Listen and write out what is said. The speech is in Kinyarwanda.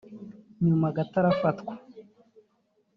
nyuma gato arafatwa